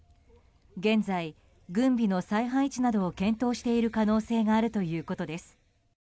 現在、軍備の再配置などを検討している可能性があるということです。